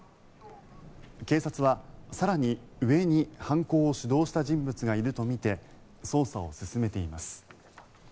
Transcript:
警察は、更に上に犯行を主導した人物がいるとみて捜査を進めています。